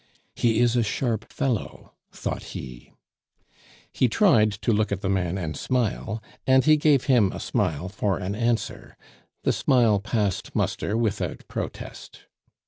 "He is a sharp fellow," thought he. He tried to look at the man and smile, and he gave him a smile for an answer; the smile passed muster without protest.